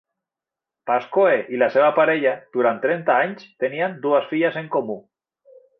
Pascoe i la seva parella durant trenta anys tenien dues filles en comú.